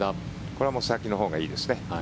これは先のほうがいいですね。